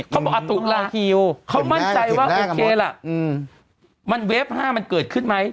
เขาบอกอตุลาคิวเขามั่นใจว่าโอเคล่ะมันเวฟ๕มันเกิดขึ้นไหม